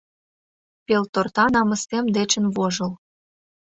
Пелторта намысем дечын вожыл